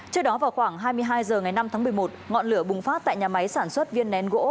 trước đó vào khoảng hai mươi hai h ngày năm tháng một mươi một ngọn lửa bùng phát tại nhà máy sản xuất viên nén gỗ